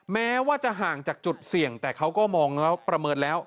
แม้ว่าจะห่างจากจุดเสี่ยงแต่เขาก็มองแล้วประเมินแล้ว